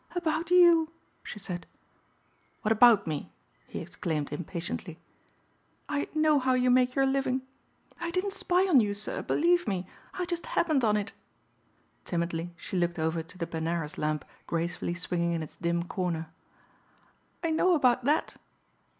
"About you," she said. "What about me?" he exclaimed impatiently. "I know how you make your living. I didn't spy on you, sir, believe me, I just happened on it." Timidly she looked over to the Benares lamp gracefully swinging in its dim corner. "I know about that."